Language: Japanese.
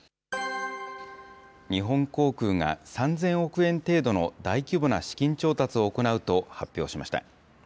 日本航空が３０００億円程度の大規模な資金調達を行うと発表しました。